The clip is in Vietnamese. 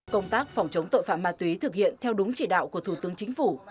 công tác phòng chống tội phạm ma túy thực hiện theo đúng chỉ đạo của thủ tướng chính phủ